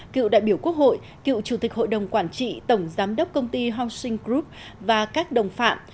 cựu đại biểu quốc hội cựu chủ tịch hội đồng quản trị tổng giám đốc công ty housing group và các đồng phạm